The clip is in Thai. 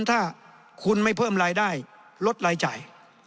ถ้าคุณไม่เพิ่มรายได้ลดรายจ่าย